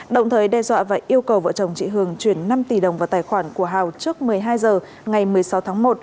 đồng thời đe dọa và yêu cầu vợ chồng chị hường chuyển năm tỷ đồng vào tài khoản của hào trước một mươi hai h ngày một mươi sáu tháng một